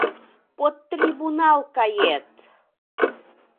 Под трибунал кает!